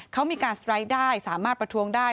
เขามีการสไลด์ได้สามารถประท้วงได้